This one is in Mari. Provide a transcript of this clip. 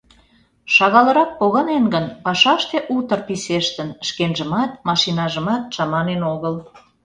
Шагалрак погынен гын, пашаште утыр писештын, шкенжымат, машинажымат чаманен огыл.